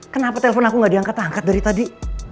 kenapa telpon aku gak diangkat angkat dari tadi